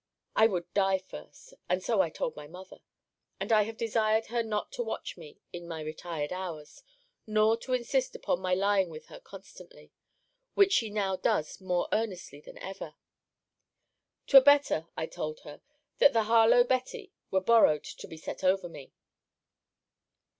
I would die first And so I told my mother. And I have desired her not to watch me in my retired hours; nor to insist upon my lying with her constantly, which she now does more earnestly than ever. 'Twere better, I told her, that the Harlowe Betty were borrowed to be set over me.